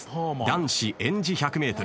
男子演じ１００ｍ。